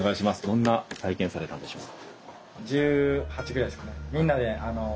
どんな体験されたんでしょうか。